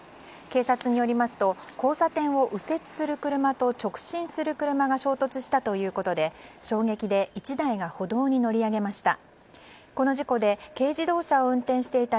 警察によりますと交差点を右折する車と直進する車が衝突したということで衝撃で１台が歩道に乗り上げました。